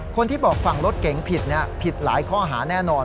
คนที่บอกฝั่งรถเก๋งผิดผิดหลายข้อหาแน่นอน